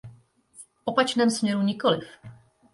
V opačném směru nikoliv.